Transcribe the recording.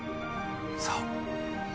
そう。